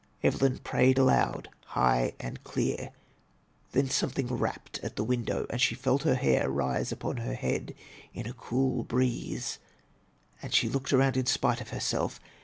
Evelyn prayed aloud, high and clear. Then something rapped at the window, and she felt her hair rise upon her head in a cool breeze, as she looked around in spite of herself.